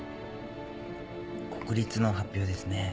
国立の発表ですね。